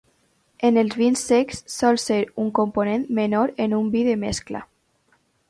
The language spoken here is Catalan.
En els vins secs sol ser un component menor en un vi de mescla.